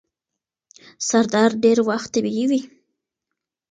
سردرد ډير وخت طبیعي وي.